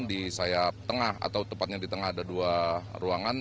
di sayap tengah atau tepatnya di tengah ada dua ruangan